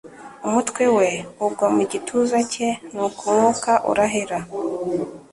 Umutwe we ugwa mu gituza cye nuko umwuka urahera.